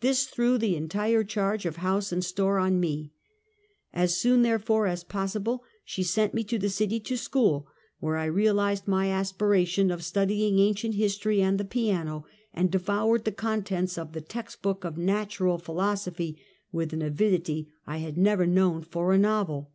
This threw the entire charge of house and store on me. As soon, therefore, as possible, she sent me to the city to school, where I realized my aspiration of studying ancient history and the piano, and devoured the contents of the text book of natural philosophy with an avidity I had never known for a novel.